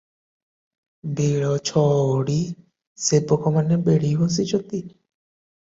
ବେଳ ଛ ଘଡି, ସେବକମାନେ ବେଢ଼ି ବସିଛନ୍ତି ।